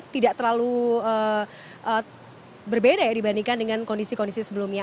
tidak terlalu berbeda ya dibandingkan dengan kondisi kondisi sebelumnya